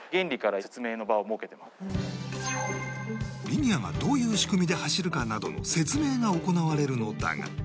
リニアがどういう仕組みで走るかなどの説明が行われるのだが